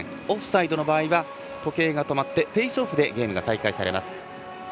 オフサイドの場合は時計が止まってフェースオフでゲームが再開されます。